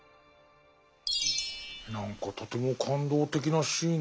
何かとても感動的なシーンだな。